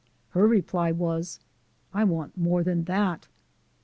Her reply was " I want more than that."